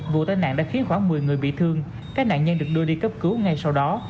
vụ tai nạn đã khiến khoảng một mươi người bị thương các nạn nhân được đưa đi cấp cứu ngay sau đó